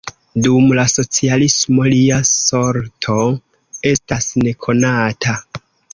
Dum la socialismo lia sorto estas nekonata.